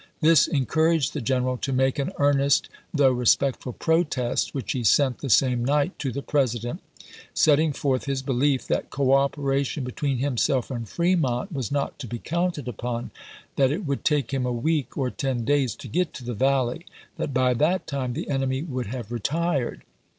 This encouraged the general to make an earnest though respectful protest, which he sent the same night to the President, setting forth his belief that cooperation between himself and Fremont was not i""i to be counted upon ; that it would take him a week or ten days to get to the Valley ; that by that time the enemy would have retired.